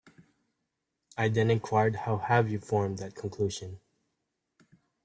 I then enquired how have you formed that conclusion.